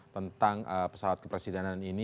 tentang pesawat kepresidenan ini